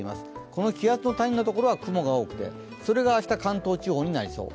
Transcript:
この気圧の谷のところは雲が多くて、それが明日関東地方になりそう。